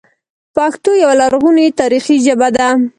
پښتو یوه لرغونې تاریخي ژبه ده